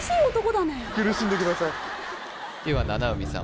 苦しんでくださいでは七海さん